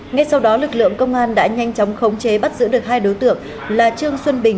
ngay sau đó lực lượng công an đã nhanh chóng khống chế bắt giữ được hai đối tượng là trương xuân bình